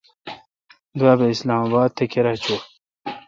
دوابھ اسلام اباد تھ کیرا چوں ۔